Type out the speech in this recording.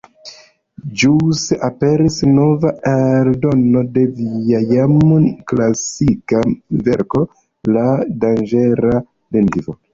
Ĵus aperis nova eldono de via jam klasika verko ”La danĝera lingvo”.